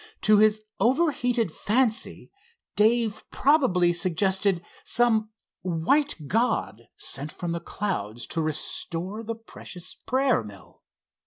To his overheated fancy Dave possibly suggested some "white god" sent from the clouds to restore the precious prayer mill.